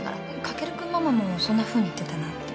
翔君ママもそんなふうに言ってたなって。